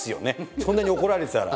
そんなに怒られてたら。